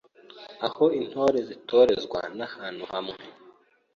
Aho Intore zitorezwa nahantu hamwe